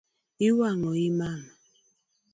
Iwang’o I mama